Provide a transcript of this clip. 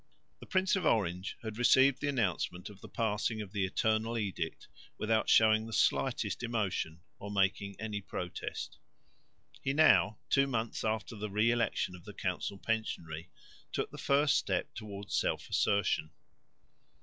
The Prince of Orange had received the announcement of the passing of the Eternal Edict without showing the slightest emotion, or making any protest. He now, two months after the re election of the council pensionary, took the first step towards self assertion.